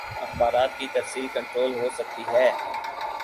اخبارات کی ترسیل کنٹرول ہو سکتی ہے۔